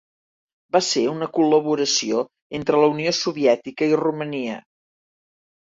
Va ser una col·laboració entre la Unió Soviètica i Romania.